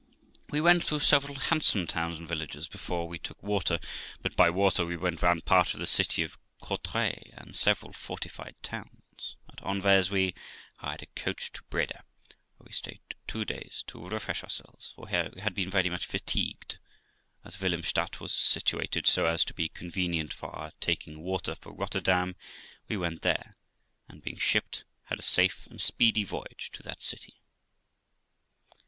We went through several handsome towns and villages before we took water, but by water we went round part of the city of Courtrai, and several fortified towns. At Anvers we hired a coach to Breda, where we stayed two days to refresh ourselves, for we had been very much fatigued j as Willemstadt was situated so as to be convenient for our taking water for Rotterdam, we went there, and being shipped, had a safe and speedy voyage to that city.